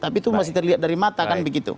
tapi itu masih terlihat dari mata kan begitu